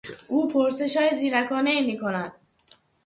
او پرسشهای زیرکانهای میکند.